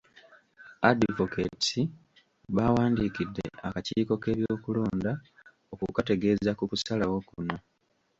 Advocates baawandikidde akakiiko k'ebyokulonda okukategeeza ku kusalawo kuno.